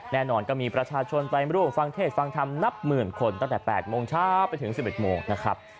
แน่นอนก็มีประชาชนไปร่วมฟังเทศฟังธรรมนับหมื่นคนตั้งแต่๘โมงเช้าไปถึง๑๑โมงนะครับ